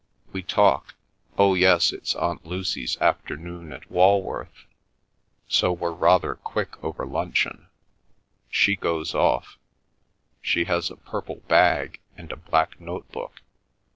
We talk—oh yes, it's Aunt Lucy's afternoon at Walworth, so we're rather quick over luncheon. She goes off. She has a purple bag, and a black notebook.